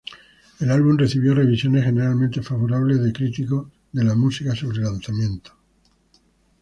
El álbum recibió revisiones generalmente favorables de críticos de la música sobre lanzamiento.